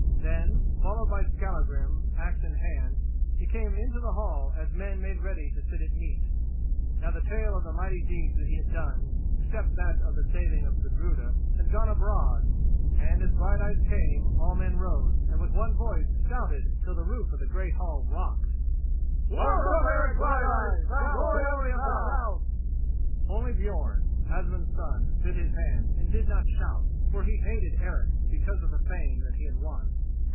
Then, followed by Skallagrim, axe in hand, he came into the hall as men made ready to sit at meat. Now the tale of the mighty deeds that he had done, except that of the saving of Gudruda, had gone abroad, and as Brighteyes came all men rose and with one voice shouted till the roof of the great hall rocked: "Welcome, Eric Brighteyes, thou glory of the south!" Only Björn, Asmund's son, bit his hand, and did not shout, for he hated Eric because of the fame that he had won.